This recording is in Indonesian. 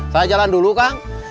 saya jalan dulu kang